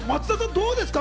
どうですか？